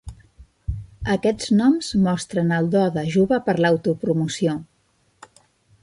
Aquests noms mostren el do de Juba per l'autopromoció.